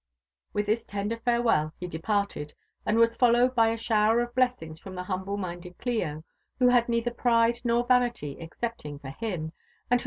With this tender farewell he departed, and was followed by a shaw^ Qf hiessiogs frooi tbehupiblc punded Qio, who had peither pride nor vauily exceptjiug (or hicn^ ao/d who.